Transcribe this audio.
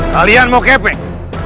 kalian mau kepek